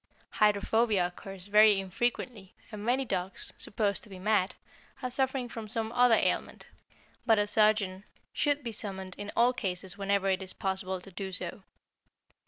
Hydrophobia occurs very infrequently, and many dogs, supposed to be mad, are suffering from some other ailment; but a surgeon should be summoned in all cases whenever it is possible to do so.